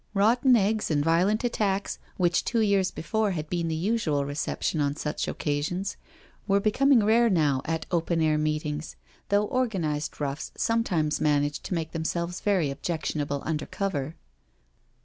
Rotten eggs and violent attacks, which two years before had been the usual reception on such occasions, were becoming rare now ON A TROLLY CART 127 at open air meetings, though organised roughs some times managed to make themselves very objection able under cover.